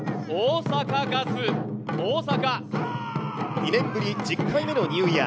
２年ぶり１０回目のニューイヤー。